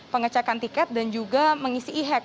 pengecekan tiket dan juga mengisi e hack